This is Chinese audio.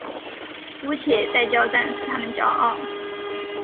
姑且再交战使他们骄傲。